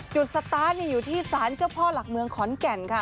สตาร์ทอยู่ที่สารเจ้าพ่อหลักเมืองขอนแก่นค่ะ